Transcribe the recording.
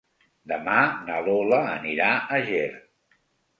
Demà na Lola anirà a Ger.